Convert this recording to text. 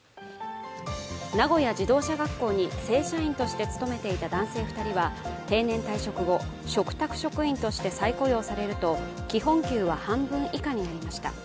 名古屋自動車学校に正社員として勤めていた男性２人は定年退職後、嘱託職員として再雇用されると、基本給は半分以下になりました。